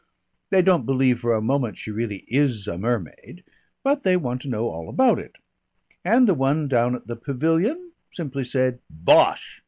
They don't believe for a moment she really is a mermaid, but they want to know all about it. And the one down at the Pavilion simply said, 'Bosh!